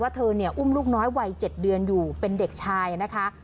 เธอเนี่ยอุ้มลูกน้อยวัย๗เดือนอยู่เป็นเด็กชายนะคะ